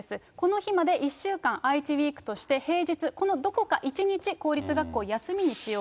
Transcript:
この日まで１週間、あいちウィークとして、平日、このどこか１日、公立学校休みにしようと。